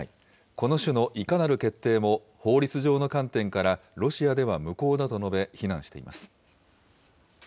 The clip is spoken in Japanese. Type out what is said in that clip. この種のいかなる決定も、法律上の観点からロシアでは無効だと述べ、非難しています。